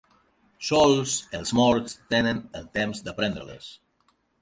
Sols els morts tenen el temps d'aprendre-les.